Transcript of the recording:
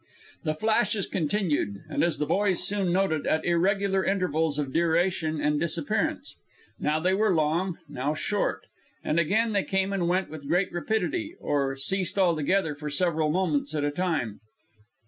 The flashes continued, and as the boys soon noted, at irregular intervals of duration and disappearance. Now they were long, now short; and again they came and went with great rapidity, or ceased altogether for several moments at a time.